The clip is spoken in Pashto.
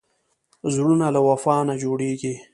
زړونه له وفا نه جوړېږي.